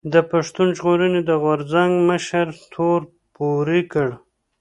د پښتون ژغورنې د غورځنګ مشر تور پورې کړ